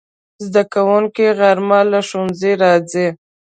زدهکوونکي غرمه له ښوونځي راځي